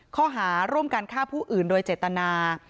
ข้อหาร่วมกันฆ่าผู้อื่นโดยเจตนา